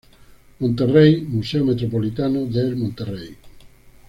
Monterrey: Museo Metropolitano del Monterrey.